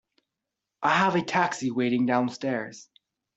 I have a taxi waiting downstairs.